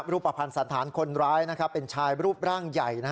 รูปภัณฑ์สันธารคนร้ายเป็นชายรูปร่างใหญ่